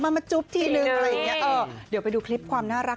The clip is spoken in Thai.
มามาจุ๊บทีนึงอะไรอย่างเงี้เออเดี๋ยวไปดูคลิปความน่ารัก